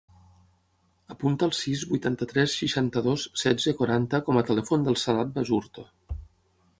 Apunta el sis, vuitanta-tres, seixanta-dos, setze, quaranta com a telèfon del Sanad Basurto.